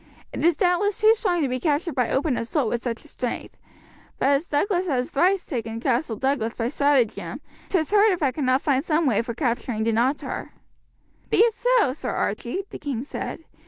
It is doubtless too strong to be captured by open assault with such a strength, but as Douglas has thrice taken Castle Douglas by stratagem, 'tis hard if I cannot find some way for capturing Dunottar." "Be it so, Sir Archie," the king said.